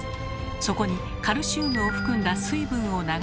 そこにカルシウムを含んだ水分を流し込むと。